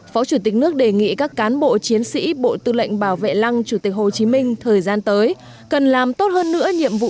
phó chủ tịch nước đề nghị các cán bộ chiến sĩ bộ tư lệnh bảo vệ lăng chủ tịch hồ chí minh thời gian tới cần làm tốt hơn nữa nhiệm vụ